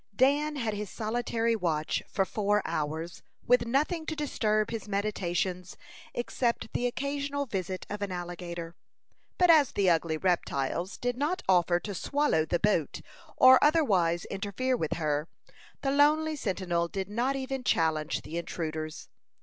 Dan had his solitary watch for four hours, with nothing to disturb his meditations except the occasional visit of an alligator; but as the ugly reptiles did not offer to swallow the boat, or otherwise interfere with her, the lonely sentinel did not even challenge the intruders.